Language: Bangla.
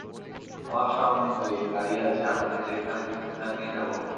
আমার সঙ্গে গাড়ি আছে, আপনি যেখানে যেতে চান নিয়ে যাব।